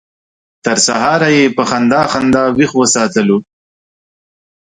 تر سهاره یې په خندا خندا ویښ وساتلو.